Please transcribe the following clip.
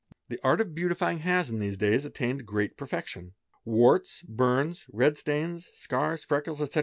; The art of beautifying has in these days attained great perfection : warts, burns, red stains, scars, freckles, etc.